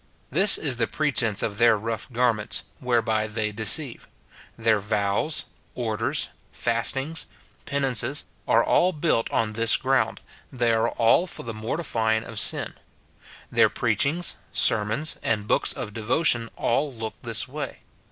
This Ls the pretence of their rough garments, whereby they deceive. Their vows, orders, fastings, penances, are all built on this ground; 1G8 MORTIFICATION OF tliey are all for the mortifying of sin. Tlieir preach ings, sermons, and books of devotion, all look this way.